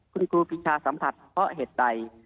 คุณครูปีชาสัมผัสเพราะเหตุใด